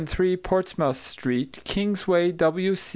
2 & 3 PORTSMOUTH STREET KINGSWAY W.